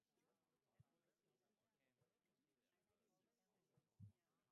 This work has attracted both admiration and criticism.